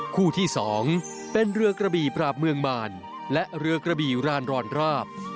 คู่ที่๒เป็นเรือกระบี่ปราบเมืองมารและเรือกระบี่รานรอนราบ